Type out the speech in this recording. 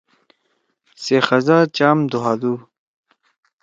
سے خزا چام دُھوادُو۔